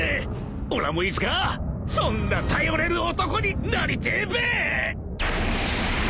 ［おらもいづかそんな頼れる男になりてえべ！］